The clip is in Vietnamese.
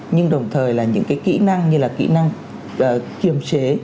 nhưng đồng thời là những cái kỹ năng như là kỹ năng kiềm chế